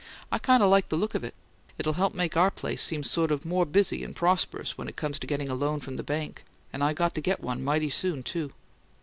I kind of like the look of it: it'll help make our place seem sort of more busy and prosperous when it comes to getting a loan from the bank and I got to get one mighty soon, too.